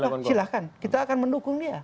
tidak apa apa silahkan kita akan mendukung dia